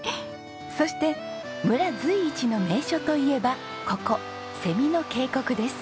そして村随一の名所といえばここ蝉の渓谷です。